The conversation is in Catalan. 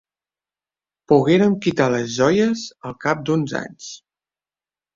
Pogueren quitar les joies al cap d'uns anys.